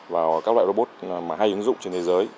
vào các loại robot hay ứng dụng trên thế giới